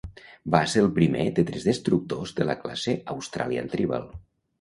Va ser el primer de tres destructors de la classe Australian Tribal.